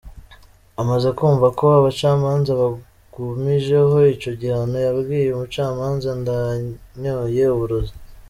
Amaze kwumva ko abacamanza bagumijeho ico gihano, yabwiye umucamanza ," Ndanyoye uburozi".